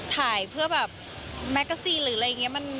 ถ่ายเพื่อแบบแมกกาซีนหรืออะไรอย่างนี้